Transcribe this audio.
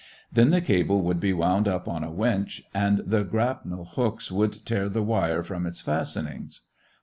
Then the cable would be wound up on a winch and the grapnel hooks would tear the wire from its fastenings.